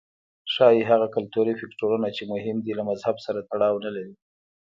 ښايي هغه کلتوري فکټورونه چې مهم دي له مذهب سره تړاو نه لري.